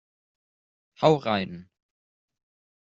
Hau rein!